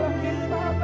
boleh apa kita pak